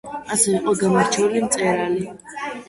ასევე იყო გამორჩეული მწერალი.